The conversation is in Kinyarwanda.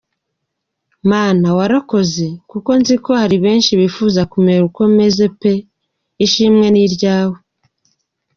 Mana warakoze kuko nziko haribenshi bifuza kumera uko meze pe ishimwe niryawe.